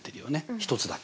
一つだけ。